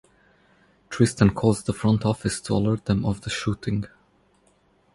Tristan calls the front office to alert them of the shooting.